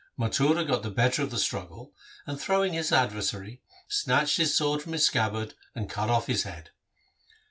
Mathura got the better of the struggle, and throwing his adversary, snatched his sword from his scabbard and cut off his head.